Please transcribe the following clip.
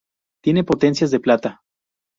Tiene potencias de plata.